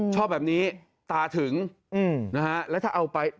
ชอบแบบนี้ตาถึงนะฮะแล้วถ้าเอาไป